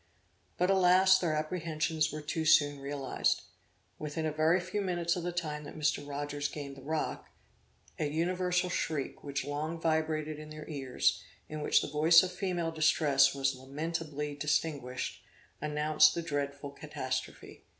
But, alas, their apprehensions were too soon realized! Within a very few minutes of the time that Mr. Rogers gained the rock, an universal shriek, which long vibrated in their ears, in which the voice of female distress was lamentably distinguished, announced the dreadful catastrophe.